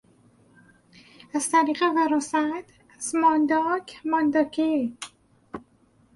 از طریق وراثت، از مانداک، مانداکی